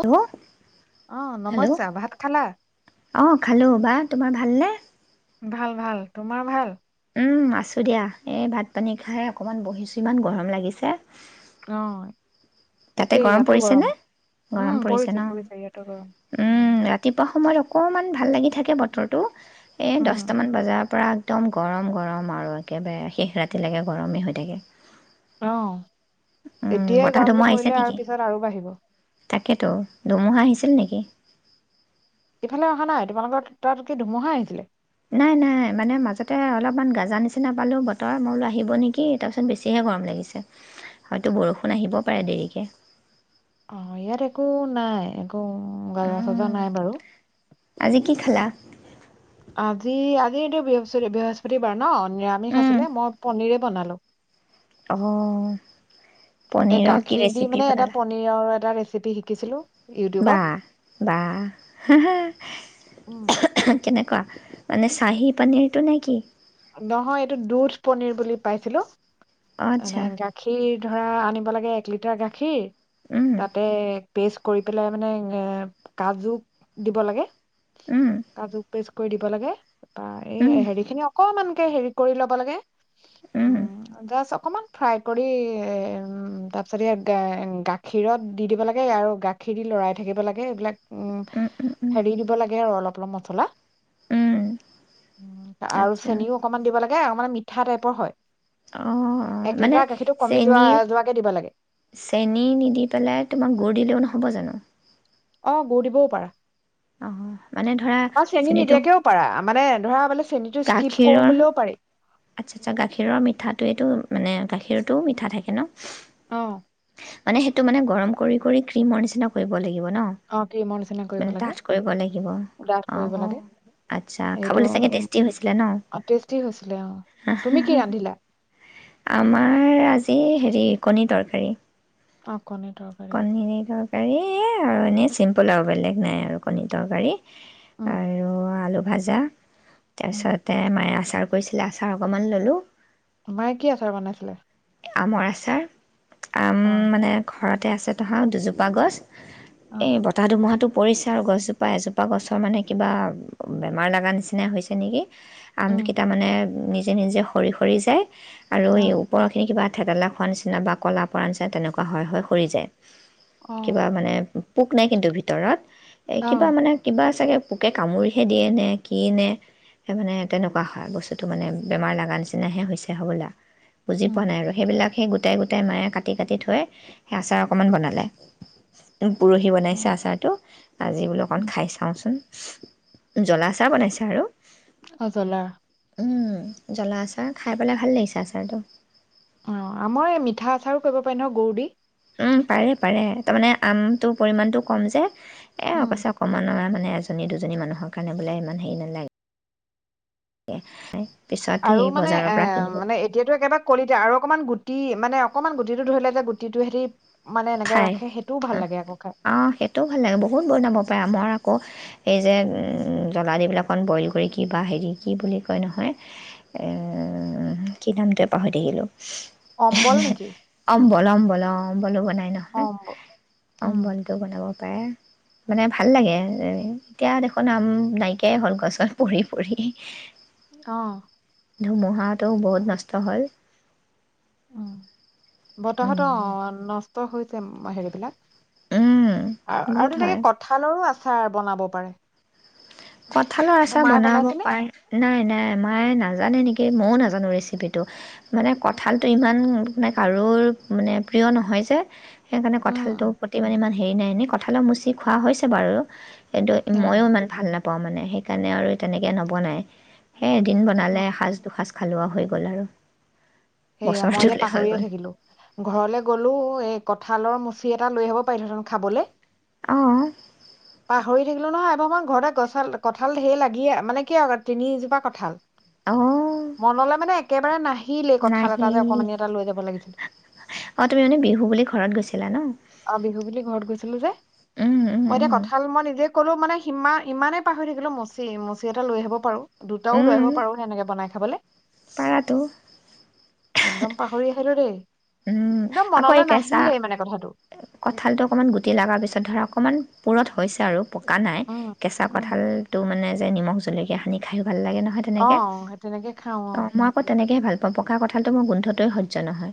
Hello, অ ' hello, নমস্যা ভাত খালা অহ খালোঁ। বা তোমাৰ ভালনে? ভাল ভাল। তোমাৰ ভাল? উম, আছোঁ দিয়া। এই ভাত পানী খাই অকণমান বহিছোঁ, ইমান গৰম লাগিছে। অহ। তাতে গৰম পৰিছে নে? উম গৰম পৰিছে ন'। ইয়াতো গৰম উম, ৰাতিপুৱা সময়ত অকণমান‌ ভা ভাল লাগি থাকে বতৰটো, এই উম দহটামান বজাৰ পৰা একদম গৰম গৰম আৰু, একেবাৰে শেষ ৰাতিলৈকে গৰমেই হৈ থাকে। অহ, উম এতিয়াই বতাহ গৰমটো ধুমুহা পৰি আহিছে লে নেকি? আৰু পিছত আৰু বাঢ়িব। তাকেতো দুমুহা আহিছিল নেকি? ইফালে অহা নাই। তোমালোকৰ, ‌তাত কি ধুমুহা আহিছিলে? নাই নাই মানে মাজতে অলপমান গাজা নিচিনা পালোঁ বতৰ, মই বোলোঁ আহিব নেকি, তাৰপিছত বেছিহে গৰম লাগিছে। হয়তো বৰষুণ আহিবও পাৰে দেৰিকে। অহ, ইয়াত একো নাই। কো গাজা চাজা উম, নাই বাৰু। আজি কি খালা? আজি, আজি এইটো বৃহস্প-বৃহস্পতিবাৰ ন', নিৰামিষ আছিলে, মই পনীৰে বনালোঁ। অহ, এ পনীৰৰ কি ৰেচিপি বনালা? চেপি শিকিছিলোঁ বা‌ বা, উম কেনেকুৱা? মানে চাহী পনীৰটো নে কি? নহয় এইটো দুধ পনীৰ বুলি পাইছিলোঁ। অ', মানে আচ্ছা গাখীৰ ধৰা আনিব লাগে এক লিটাৰ গাখীৰ উম, তাতে পেষ্ট কৰিপেলাই মানে এ, কাজু দিব লাগে। উম, কাজু পেছ কৰি দিব লাগে। বা এই উম, হেৰি খিনি অ কনমানকে হেৰি কৰি ল'ব লাগে উম আদা চপ অকণমান ফ্ৰাই কৰি তাৰপিছত ইয়াক গাখীৰত দি দিব লাগে। আৰু গাখীৰ দি লৰাই থাকিব লাগে এইবিলাক। উম, উম, উম, হেৰি দিব লাগে আৰু অলপ, অলপ মছলা। উম, আচ্ছা আৰু অকমান দিব লাগে আৰু মানে মিঠা টাইপৰ হয়। অ' এক মানে লিটাৰ গাখীৰটো কমি যোৱা চেনীৰ যোৱাকে দিব লাগে চেনী নিদি পেলাই তোমাক গুৰ দিলেও নহব জানো? অ গুৰ দিবও পাৰা। অ' মানে ধৰা বা চেনি চেনিটো নিদিয়াকেও পাৰা মানে ধৰা [unintelligible] চেনিটো স্কিপ কৰিবলৈও পাৰি। আচ্ছা-আচ্ছা, গাখীৰৰ মিঠাটোৱেটো মানে গাখীৰটো মিঠা থাকে ন? অ। মানে সেইটো মানে গৰম কৰি কৰি ক্ৰীমৰ নিচিনা কৰিব লাগিব। দিব ন'। অ', ক্ৰীমৰ নিচিনা কৰিব মানে লাগে। ডাঠ কৰিব লাগিব। ডাঠ কৰিব অ', লাগে আটচ্ছা এইটো খাবলৈ চাগৈ উম, টেষ্টি হৈছিল ন'? টেষ্টি হৈছিলে অ'। তুমি কি ৰান্ধিলা? আমাৰ আজি হেৰি কণী তৰকাৰী। অ'। কণী তৰকাৰী। এই আৰু এনেই চিম্পুল আৰু বেলেগ নাই আৰু কণী তৰকাৰী। উম। আৰু আলু ভাজা। উম, তাৰপিছতে মায়াছ তাৰ কৰিছিলা আচাৰ অকনমান ল'লো। মায়ে কি আচাৰ বনাইছিলে? আমৰ আচাৰ। আম অ', মানে ঘৰতে আছে। তাহাঁও দুজোপা গছ অ', এই বতাহ ধুমুহাটো পৰিচা আৰু গছজোপা এজোপা গছৰ মানে কিবা বেমাৰ লগা নিচিনা হৈছে নেকি, উম, আমটকেইটা মানে নিজে নিজে সৰি সৰি যায়। আৰু অ', এওঁক সেই কিবা থেতেলা খোৱাৰ নিচিনা বা ক'লা পৰা নিচিনা তেনেকুৱা হৈ হৈ সৰি যায়। কিবা অ', মানে পোক নাই কিন্তু ভিতৰত। এ অ কিবা মানে কিবা চাগে পোকে কামুৰিহে দিয়ে নে কি নে, সেই মানে তেনেকুৱা হয় বস্তুটো মানে বেমাৰ লাগা নিচিনাহে হৈছে হ'বলা। বুজি পোৱা উম। নাই আৰু সেইবিলাক। সেই গোটাই, গোটাই মায়ে কাটি কাটি থৈ সেই আচাৰ অকণমান বনালে, পৰহি বনাইছে অ', আচাৰটো। আজি বোলো অকণ উম। খাই চাওঁচোন। জলা চাহ বনাইছো আৰু। অ', জ্বলা উম, জ্বলা আচাৰ খাই পেলাই ভাল লাগিছে আচাৰটো। অ', আমাৰ এই মিঠা আচাৰো কৰিব পাৰি নহ গৰু দি। উম, পাৰে পাৰে তাৰমানে আমটোৰ পৰিমাণটো কম যে। এ অ', উম। কৈছা অকমান ন' ন' মানে এজনী দুজনী মানুহৰ কাৰণে বোলে ইমান হেৰি নালাগে। [inaudible] আৰু সেই মানে বজাৰৰ এ, পৰা কিনিব মানে এতিয়াতো একেবাৰে কলিতে আৰু অকণমান গুটি, মানে অকণমান গুটিটো ধৰিলে এতি গুটিটোবেদি খাই অ', সেইটোও ভাল লাগে বহুত বনাব পাৰে আমৰ আকৌ। সেই যে উম, জলা দি পেলে অকণ বইল কৰি কি বা হেৰি, কি বুলি কয় নহয়? অ, কি নামটোৱে পাহৰি থাকিলোঁ। অম্বল নেকি? পলম বলম বলো বনে হে অ নহয়, অম্বল উম অম্বলটো বনাব ত মানে ভাল লাগে এতিয়া দেখোন আম নাইকিয়াই হ'ল গছত পৰি পৰি। অ'। ধুমুহাটো বহুত নষ্ট হ'ল। উম। বতাহত উম অ', নচ [unintelligible] হৈছে হেৰিবিলাক উম আৰু বহুত আৰু হয় তেনেকে কঠালৰো আছ চাৰ বনাব পাৰে। কঁঠালৰ আচাৰ মায়ে বনাব বনাইছেনে পাৰে নাই নাই মায়ে নাজানে নেকি? সেই ময়ো নাজানো ৰেচিপিটো মানে কঁঠালটো ইমান মানে কাৰো মানে প্ৰিয় নহয় যে। সেইকাৰণে উম কঁঠালটো প্ৰতি মানে ইমান হেৰি নাই এনে ক কঁঠালৰ মুচি খোৱা হৈছে বাৰু। সেইটো অ ময়ো ইমান ভাল নাপাওঁ। মানে সেইকাৰণে আৰু তেনেকে নবনাই। সেই এদিন অ বনালে এসাঁজ দুসাঁজ। খালো আৰু হৈ গ'ল আৰু। সেয়া মই যে বছৰটোলৈ হৈ পাহৰিয়ে গ'ল থাকিলোঁ ঘৰলে গ'লো এ কঁঠালৰ মুচি এটা লৈ আহিব পাৰিলোঁ [unintelligible] খাবলে। অঁ পাহৰি থাকিলো নহয় এবাৰ মই ঘৰতে গছ কঠাল ধেৰ লাগিয়ে মানে কি আৰু তিনিজোপা কঁঠাল। অঁ মনলে মানে একেবাৰে নাহিলে। কঠাল এটা যে নাহিল অকমানি এটা লৈ যাব লাগিছিল অঁ তুমি মানে বিহু বুলি ঘৰত গৈছিলা ন বিহু বুলি ঘৰত গৈছিলো যে উম উম মই এতিয়া উম কঁঠাল মই নিজে। ক'লোঁ মানে সিমান ইমানেই পাৰ হৈ থাকিলো মচি মচি এটা লৈ আহিব পাৰোঁ। দুটাও লৈ আহিব পাৰো সেনেকে বনাই খাই। খাবলে। পাৰাটো একদম পাহৰি আহিলো দেই। উম একদম আকৌ মনলৈ এই কেঁচা নাহিলেই মানে কথাটো কঁঠাল টো অকনমান গুটি লগা পিছত ধৰা অকণমান পুৰঠ। হৈছে আৰু পকা নাই উম কেঁচা উম কঁঠালটো মানে। নিমখ জলকীয়া সানি খাই ও। ভাল লাগে নহয় অ তেনেকে সেই তেনেকে খাওঁ অ আক মই তেনেকেই ভাল। পকা কঠালটোৰ গোন্ধটোৱে সহ্য নহয়।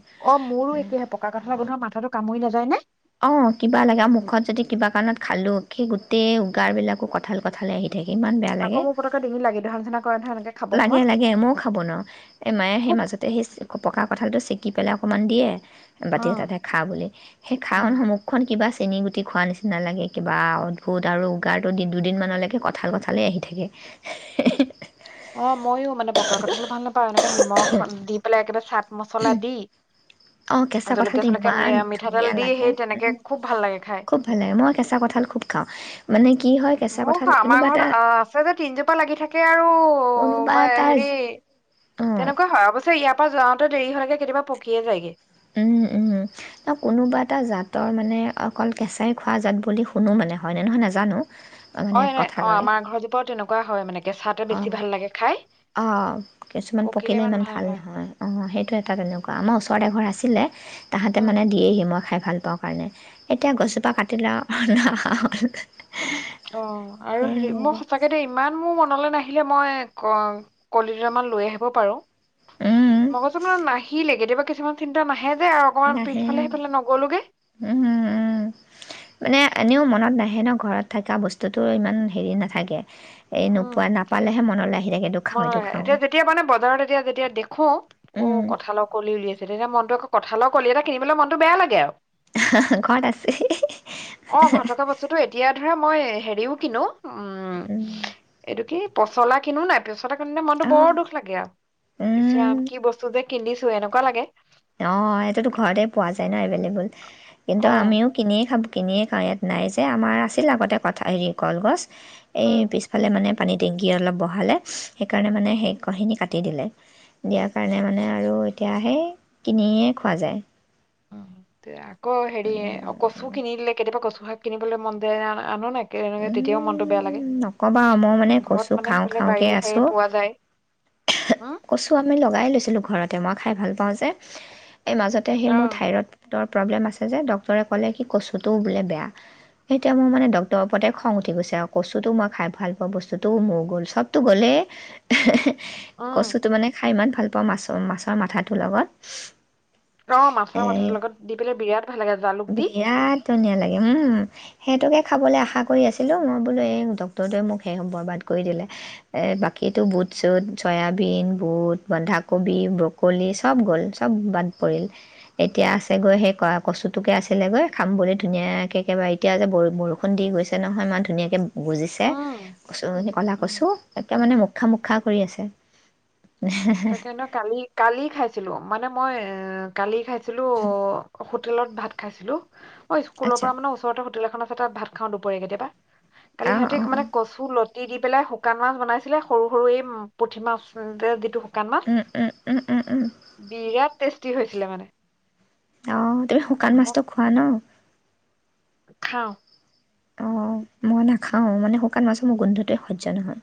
সে পকা কথা কঠালৰ গোন্ধ টো মাঠাটো কামুৰি নাযায় নে। অ', কিবা লাগে আৰু মুখত যদি কিবা কাৰণত খালোঁ, সেই গোটেই উগাৰবিলাকো কঁঠাল কঁঠালে আহি তেনেকে ইমান বেয়া আকৌ লাগে মোৰ পতককে ডিঙিত লাগি ধৰা নিচিনা কৰে নহয় এনেকে খাব লাগে সময়ত লাগে মও খাব নোৱাৰো এ মায়ে সেই খুব মাজতে সেই। পকা কঁঠালটো চেকি পেলাই অকণমান দিয়ে। বাতি উম এটাতে খা বুলি সেই। খাও উম নহয় মুখখন কিবা চেনি গুটি খোৱা নিচিনা লাগে কিবা অদ্ভুত আৰু উগাৰটো দুদিনমানলৈকে কঁঠাল কঁঠালেই আহি থাকে। অ ময়ো মানে পকা কঠাল হলে ভাল নাপাওঁ এনেকে নিমখ দি পেলাই একেবাৰে। চাট মছলা দি অ', কেঁচা কঁঠালটো জলকীয়া চলকীয়া মি ইমান মিঠাতেল ধুনীয়া দি লাগে। সেই তেনেকে উম, খুব ভাল লাগে খাই খুব ভাল লাগে, মই কেঁচা কঠাল খুব খাওঁ। মানে কি হয় কেঁচা মও কঁঠাল খাও আমাৰ কোনোবা ঘৰত এটা অ আছে যে তিনজোপা লাগি থাকে আৰু কোনোবা মই এটা হেৰি অঁ তেনেকুৱা হয় অৱশ্যে ইয়াত। তা যাওঁতে দেৰি হ'লে কেতিয়াবা পকিয়ে যায়গে। উম উম উম ন কোনোবা এটা জাত। তৰ মানে অকল কেঁচাই খোৱা জাত বুলি শুনো মানে হয়নে নহয় নাজানো মানে অ' এনে, অ', আমাৰ ঘৰজোপাও তেনেকুৱা হয় মানে। কেঁচাতে অ', বেছি ভাল লাগে খাই অ', অ', কিছুমান পকিলে ইমান ভাল নহয়, অ', সেইটো এটা তেনেকুৱা, আমাৰ ওচৰত। ওচৰত এঘৰ আছিলে। তাহাঁতে উম মানে দিয়েহি, মই খাই ভাল পাওঁ কাৰণে। এতিয়া গছজোপা কাটিলে আৰু। [inaudible] অ', আৰু হেৰি মই সঁচাকে দে ইমান মোৰ মনলৈ নাহে। আহিলে মই ক কলি দুটাৰ মান লৈ আহিব পাৰোঁ। উম, মগজু মান নাহিলে, কেতিয়াবা। কিছুমান চিন্তা নাহে। যে আৰু অকমান নাহে, পিছফালে অ', সেইফালে নগ'লোগে উম, উম, মানে এনেও মনত নাহে। হৱ এনেও ঘৰত থকা বস্তুটো ইমান হেৰি নাথাকে। এই উম, নোপোৱা নাপালেহে মনলৈ আহি থাকে এইটো খাওঁ মই এইটো খাওঁ এতিয়া যেতিয়া মানে বজাৰত এতিয়া যেতিয়া দেখো, উম, অ', কঠালৰ কলি উলিয়াইছে তেতিয়া মনটোৱে কঁঠালৰ কলি এটা কিনিবলৈ মনটো বেয়া লাগে আৰু। [unintelligible] ক'ত আছে? [unintelligible] অ', ঘৰত থকা বস্তুতো এতিয়া ধৰা মই হেৰিও কিনো। উম, অ', এইটো কি? পচলা কিনো নাই পচলা। [unintelligible] মনতো বৰ অ', দুখ লাগে আৰু উম, ইচৰাম কি বস্তু যে। কিনিছো এনেকুৱা লাগে। অ', এইটোতো ঘৰতে পোৱা যায় ন এভেইলেবল। কিন্তু অ আমিও কিনিয়ে খাব কিনিয়ে খাওঁ ইয়াত নাই যে আমাৰ আছিল আগতে কঠাল হেৰি কলগছ। এই উম পিছফালে মানে। পানী টেংকী অলপ বঢ়ালে, সেইকাৰণে মানে, সেই [unintelligible] কাটি দিলে। দিয়াৰ কাৰণে মানে আৰু। তেতিয়াহে। কিনিয়ে খোৱা যায়। অ', [unintelligible] অ', হেৰিয়ে, অ', কচু কিনি দিলে কেতিয়াবা কচু। প্ৰসাদ কিনিবলৈ মন্দিৰ আনো নাই। এনেকে, তেতিয়াও মনটো বেয়া লাগে উম, নকবা মই মানে ঘৰত কচু মানে খাওঁ সেইফালে খাওঁ কে বাৰীয়ে চাৰীয়ে আছোঁ, পোৱা যায় উম কচু আমি লগাই লৈছিলোঁ ঘৰত। মই খাই ভাল পাওঁ যে। এই মাজতে সেই অ মোৰ থাইৰড টৰ প্ৰব্লেম আছে যে, ডক্টৰে ক'লে কি কচুটো বোলে বেয়া। সেই এতিয়া মোৰ মানে ড তৰ ওপৰতে খং উঠি গৈছে আৰু কচুটো মই খাই ভাল পোৱা বস্তুটো মোৰ গ'ল চবতটো গ'লেই। উম কচুটো মানে খ খাই ইমান ভাল পাওঁ, মাছ মাছৰ মাথাটোৰ লগত। অ', মাছৰ এ মাথাটোৰ লগত দি পেলাই বিৰাট ভাল লাগে, জালুক দি। ধনীয়া লাগে উম, সেইটোকে খাবলৈ আশা কৰি আছিলোঁ মই বোলো এই ডক্টৰটোৱে মোক সেই বৰবাদ কৰি দিলে। এ, বাকীটো বুট চুট, জয়াবিন, বুট, বন্ধাকবি, ব্ৰকলি চব গ'ল চব বাদ পৰিল। এতিয়া আছেগৈ সেই কয়া-কচুটোকে আছিলেগৈ খাম বুলি ধুনীয়াকে একেবাৰে এতিয়া যে বৰু [unintelligible] খুন্দি গৈছে নহয় ইমান ধুনীয়াকে গজিছে, উম কচুখিনি ক'লা উম কছু, একে মানে মোক খা‌ মোক খা কৰি আছে। তাকে ন, কালি- কালি খাইছিলোঁ। মানে মই এ কালি খাই ছিলোঁ হোটেলত ভাত খাইছিলোঁ অ' স্কুলৰ আচ্ছা পৰা মানে ওচৰতে হোটেল এখন আছে, তাত ভাত খাওঁ দুপৰীয়া কেতিয়াবা। কালি অঁ সিহঁতি মানে কচু লত ই দি পেলাই শুকান মাছ বনাইছিলে, সৰু সৰু এই পুঠি মাছ যে যিটো শুকান মাছ উম-উম-উম-উম- উম। বিৰাট টেষ্টি হৈছিলে মানে। অ', তুমি শুকান উম, মই মাছটো খোৱা ন? খাওঁ। অ', মই নাখাওঁ, মানে শুকান মাছৰ মোৰ গোন্ধটোৱে সহ্য নহয়।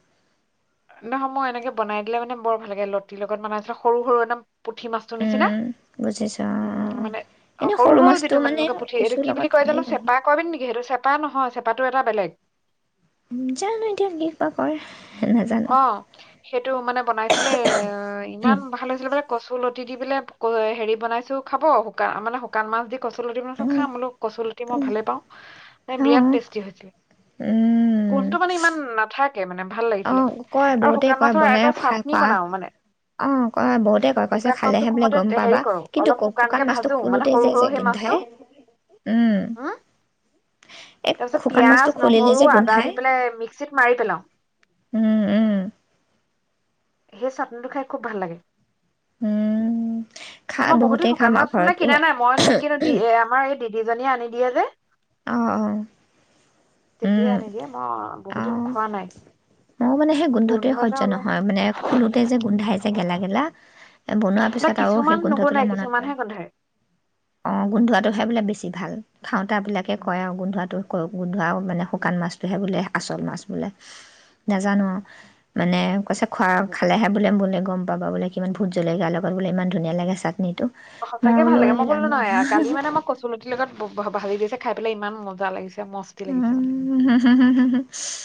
নহয় মই এনেকে বনাই দিলে মানে বৰ ভাল লাগে, লতিৰ লগত বনাইছিল, সৰু সৰু একদম পুঠি মাছটো নিচিনা, উম, বুজিছোঁ অঁ উম অঁ অঁ মানে অ এনেই সৰু সৰু মাছটো যিটো মানে এনেকা পুঠি এইটো কচুৰ কি বুলি লগত কয় ভালেই জানো লাগে চেপা কয়বি নেকি সেইটো চেপা নহয় চেপাটো এটা বেলেগ। জানো এতিয়া কি বা কৰে। নাজানো অ', সেইটো মানে বনাইছিলে ইমান ভাল হৈছিলে বোলে কচুলত দি দি পেলাই ক হেৰি বনাইছোঁ খাব শুকা মানে শুকান মাছ দি কচ লতি মান চব অঁ খাম বলো কচল লতি মই ভালে পাওঁ ন বিৰাট অঁ টেষ্টি হৈছিলে। উম। কোনটো মানে ইমান নাথাকে মানে ভাল লাগিছিলে। অ', কয় আৰু বহুতে শুকান কয় মাছৰ বনাই এটা খাই চাটনি খোৱা বনাও মানে অ', কয় বহুতে কয় কৈছে শুকান মাছটো খালেহে বোলে গম সময়তে হেৰি পাবা কৰো কিন্তু অলপ শুকান শুকানকে মাছটো ভাজো মানে খুলোতে সৰু যে যে সৰু সেই মাছটো গোন্ধাই উম, এই তাৰপিছত শুকান মাছটো পিয়াজ খুলিলে নহৰু যে আদা গোন্ধাই দি পেলাই মিক্সিত মাৰি পেলাও উম। উম। সেই চাটনটো খাই খুব ভাল লাগে। উম, খা মই বহুতেই খাম শুকান আৰু মাছ মানে ঘৰত অ', কিনা নাই মই নেকি দি এ আমাৰ এই দিদিজনীয়ে আনি দিয়ে যে। অহ, অহ। তেতিয়াই আনি দিয়ে মই বহুদিন খোৱা নাই। ময়ো মানে সেই গোন্ধটোৱে গোন্ধ এটা সহ্য ওলাই নহয় মানে খোলোতেই যে গোন্ধাই যে গেলা গেলা। বনোৱাৰ ন পিছত আৰু সেই কিছুমান গোন্ধটোলৈ নুগুন্ধাই মনত পৰে। কিছুমানহে গোন্ধাই অ', গোন্ধোৱা টোহে বোলে বেছি ভাল খাওঁ কাবিলাকে কয় আৰু গোন্ধোৱাটো। গুন্ধুৱা মানে শুকান মাছটোহে বোলে আচল মাছ বোলে। নাজানো উম আও। মানে কৈছে খোৱা খালেহে বোলে, বোলে গম পাবা বোলে কিমান ভূত জলেকীয়া লগত বোলে ইমান ধুনীয়া লাগে চাটনি মই সঁচাকে ভাল বোলো লাগে মই ৰাম কালি মানে মই কচু লতিৰ লগত ভাজি দিছে খাই পেলাই ইমান মজা লাগিছে। মষ্টি লাগিচে মানে উম,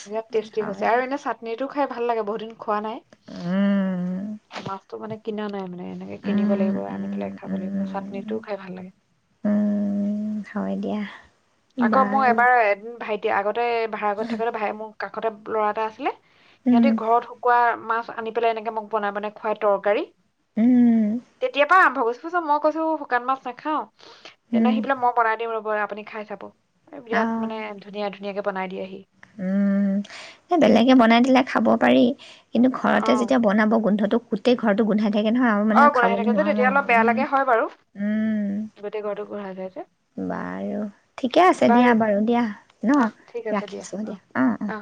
বিৰাত টেষ্টি হয় হৈছে দিয়া আৰু এনে চাটনি সেইটো খাই ভাল লাগে বহুত দিন খোৱা নাই, উম, মাছতো মানে কিনা নাই মানে এনেকে কিনিব উম, লাগিব। উম, খাব লাগিব উম। চাটনিটোও খাই ভাল লাগে উম, হয় দিয়া আকৌ মোৰ বাৰু এবাৰ এদিন ভাইটি ইয়াৰ আগত ভাড়া ঘৰত থাকোতে ভাই মোক কাষতে ল'ৰা এটা আছিলে সিহঁতি উম, ঘৰত শুকোৱা মাছ আনি পেলাই এনেকে মোক বনাই বনাই খুৱাই তৰকাৰী। উম, তেতিয়া আহ [unintelligible] মই কৈছো শুকান মাছ নাখাও। এনে উম। সি বোলে মই বনাই দিওঁ ৰব আপুনি খাই চাব। বিৰাট মানে অ', ধুনীয়া ধ ধুনিয়াকে বনাই দি আহি উম এ বেলেগে বনাই দিলে খাব পাৰি কিন্তু অ ঘৰতে যেতিয়া বনাব গোন্ধটো গোটেই ঘৰটো গোন্ধাই থাকে নহয় আৰু মানে অ গোন্ধাই খাবলৈ থাকে যে নোৱাৰো তেতিয়া আৰু অলপ বেয়া উম লাগে হয় বাৰু উম গোটেই ঘৰটো গোন্ধাই যায় যে বাৰু ঠিকে আছে দিয়া বাৰু দিয়া ন অ ঠিক ৰা আছে ৰাখিছো দিয়া অ', অ'।